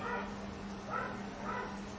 อืม